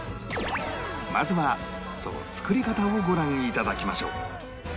まずはその作り方をご覧頂きましょう